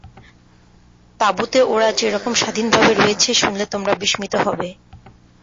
তাঁবুতে ওরা যে রকম স্বাধীনভাবে রয়েছে, শুনলে তোমরা বিস্মিত হবে।